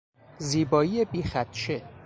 زیبایی بیخدشه